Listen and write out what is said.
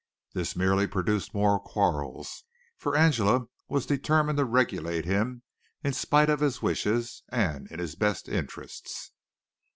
This merely produced more quarrels, for Angela was determined to regulate him in spite of his wishes and in his best interests.